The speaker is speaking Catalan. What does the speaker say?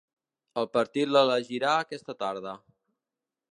El partit l’elegirà aquesta tarda.